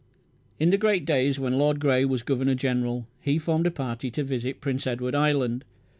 In the great days when Lord Grey was Governor General he formed a party to visit Prince Edward Island.